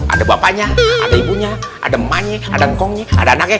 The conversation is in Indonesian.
ada bapaknya ada ibunya ada manyi ada ngongnya ada anaknya